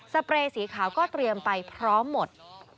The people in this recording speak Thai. เปรย์สีขาวก็เตรียมไปพร้อมหมด